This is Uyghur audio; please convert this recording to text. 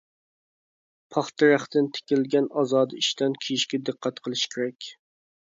پاختا رەختتىن تىكىلگەن ئازادە ئىشتان كىيىشكە دىققەت قىلىش كېرەك.